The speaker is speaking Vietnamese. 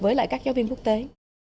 với lại các giáo viên quốc tế